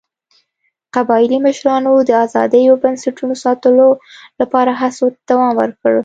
قبایلي مشرانو د ازادۍ او بنسټونو ساتلو لپاره هڅو ته دوام ورکړ.